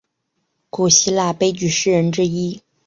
古希腊悲剧诗人之一。